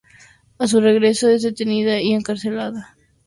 A su regreso es detenida y encarcelada.